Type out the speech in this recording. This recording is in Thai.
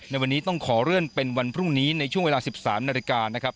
ในวันนี้ต้องขอเลื่อนเป็นวันพรุ่งนี้ในช่วงเวลา๑๓นาฬิกานะครับ